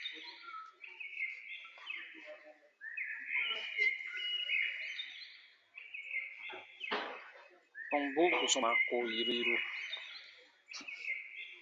Tɔmbu bù sɔmaa ko yiru yiru.